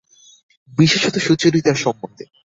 বিশেষত সুচরিতার সম্বন্ধে।